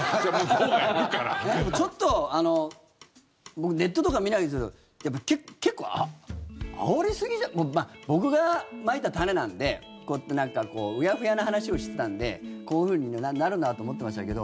ちょっと僕、ネットとか見ないですけど結構あおりすぎじゃ僕がまいた種なのでうやふやな話をしてたのでこういうふうになるなと思ってましたけど